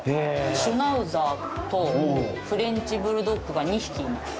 シュナウザーとフレンチブルドッグが２匹います。